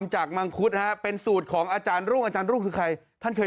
มังคุดฮะเป็นสูตรของอาจารย์รุ่งอาจารย์รุ่งคือใครท่านเคย